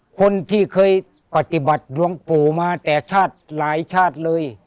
คนที่เคยปฏิบัติหลวงปู่มาแต่ชาติหลายชาติเลย